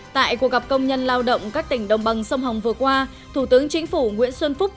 tại cuộc gặp công nhân lao động các tỉnh đồng bằng sông hồng vừa qua thủ tướng chính phủ nguyễn xuân phúc